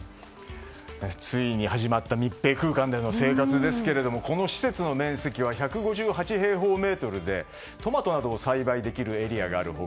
ついに始まった密閉空間での生活ですがこの施設の面積は１５８平方メートルでトマトなどを栽培できるエリアがある他